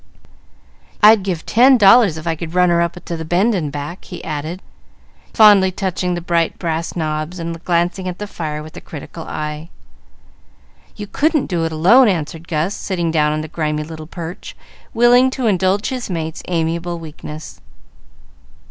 "I'd give ten dollars if I could run her up to the bend and back," he added, fondly touching the bright brass knobs and glancing at the fire with a critical eye. "You couldn't do it alone," answered Gus, sitting down on the grimy little perch, willing to indulge his mate's amiable weakness.